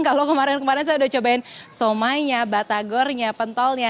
kalau kemarin kemarin saya udah cobain somainya batagornya pentolnya